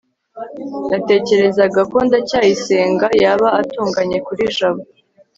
natekerezaga ko ndacyayisenga yaba atunganye kuri jabo